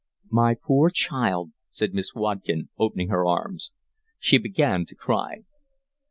"My poor child," said Miss Watkin, opening her arms. She began to cry.